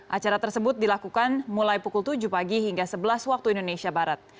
acara tersebut dilakukan mulai pukul tujuh pagi hingga sebelas waktu indonesia barat